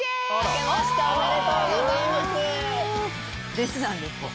弟子なんです。